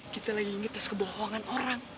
kita lagi inget tes kebohongan orang